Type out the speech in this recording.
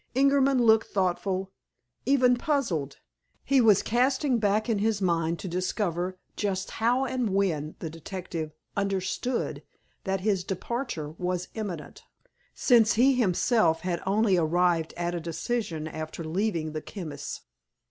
Ingerman looked thoughtful, even puzzled. He was casting back in his mind to discover just how and when the detective "understood" that his departure was imminent, since he himself had only arrived at a decision after leaving the chemist's.